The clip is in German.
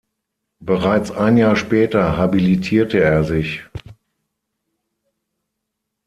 Bereits ein Jahr später habilitierte er sich.